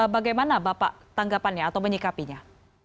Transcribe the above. bagaimana bapak tanggapannya atau menyikapinya